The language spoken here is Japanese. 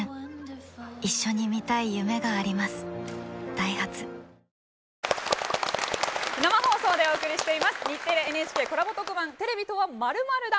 ダイハツ生放送でお送りしています、日テレ×ＮＨＫコラボ特番、テレビとは、○○だ。